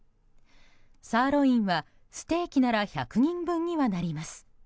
サーロインはステーキなら１００人分にはなります。